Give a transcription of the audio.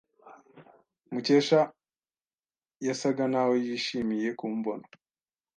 Mukesha yasaga naho yishimiye kumbona.